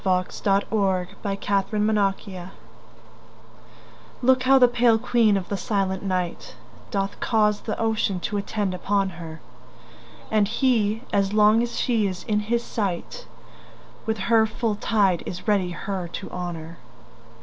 W X . Y Z A Sonnet of the Moon LOOK how the pale queen of the silent night Doth cause the ocean to attend upon her, And he, as long as she is in his sight, With her full tide is ready her to honor.